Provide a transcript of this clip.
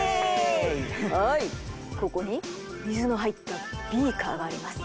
はいここに水の入ったビーカーがあります。